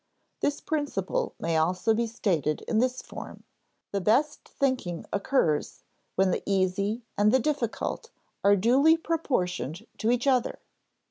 This principle may also be stated in this form: the best thinking occurs when the easy and the difficult are duly proportioned to each other.